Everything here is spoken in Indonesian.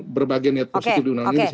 berbagai niat positif di undang undang ini